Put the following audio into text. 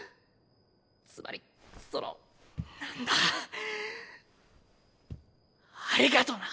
つまりそのなんだありがとな。